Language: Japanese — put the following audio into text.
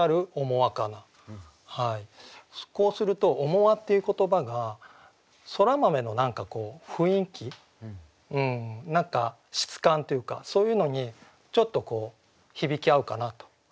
こうすると「面輪」っていう言葉が「蚕豆」の何かこう雰囲気何か質感というかそういうのにちょっと響き合うかなと。